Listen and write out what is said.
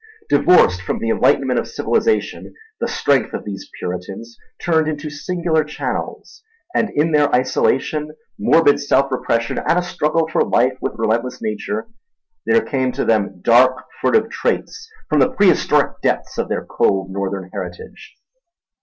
Divorced from the enlightenment of civilisation, the strength of these Puritans turned into singular channels; and in their isolation, morbid self repression, and struggle for life with relentless Nature, there came to them dark furtive traits from the prehistoric depths of their cold Northern heritage.